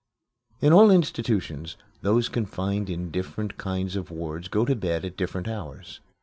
In all institutions those confined in different kinds of wards go to bed at different hours.